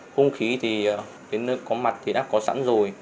không khí thì đến có mặt thì đã có sẵn rồi